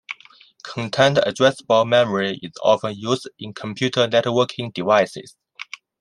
Content-addressable memory is often used in computer networking devices.